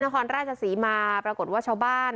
นครราชศรีมาปรากฏว่าชาวบ้าน